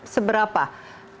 seberapa serius sehingga